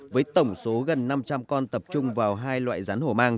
với tổng số gần năm trăm linh con tập trung vào hai loại rắn hổ mang